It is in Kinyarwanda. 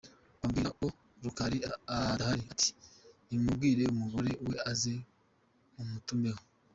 Bamubwira ko Rukali adahari, ati “Nimumbwirire umugore we aze mumutumeho.